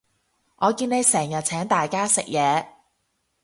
我見你成日請大家食嘢